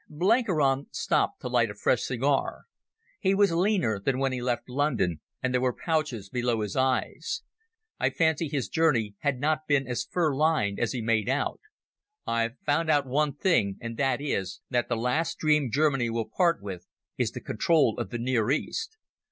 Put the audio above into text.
Blenkiron stopped to light a fresh cigar. He was leaner than when he left London and there were pouches below his eyes. I fancy his journey had not been as fur lined as he made out. "I've found out one thing, and that is, that the last dream Germany will part with is the control of the Near East.